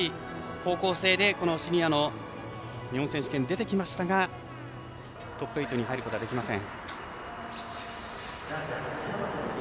高校生でシニアの日本選手権に出てきましたがトップ８に入ることはできません。